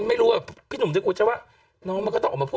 มันไม่เนียนมาคุณแม่